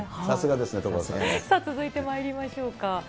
さすがですね、さあ続いてまいりましょうか。